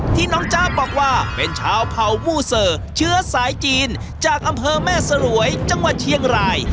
น้องจ๊ะบอกว่าเป็นชาวเผ่ามูเซอร์เชื้อสายจีนจากอำเภอแม่สลวยจังหวัดเชียงราย